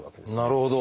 なるほど。